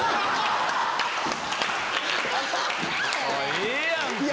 ええやんか。